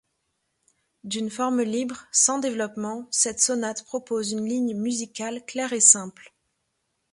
D'une forme libre, sans développement, cette sonate propose une ligne musicale claire et simple.